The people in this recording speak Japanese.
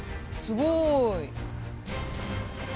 すごい。